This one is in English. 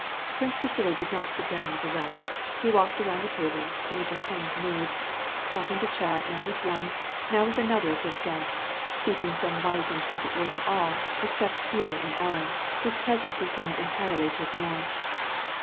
Prince Vasili did not sit down witli the r(\st ; he walked around the table, in a jocund mood, stopping to ehat now with one, now with another of his guests^ speaking some light and plea.<iant word to all, except Pierre and Ellen, whose presence he seemed entirely to ignore.